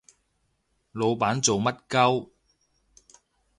老細做乜 𨳊